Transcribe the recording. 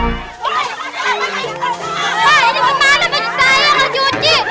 pak ini kemana baju saya ga cuci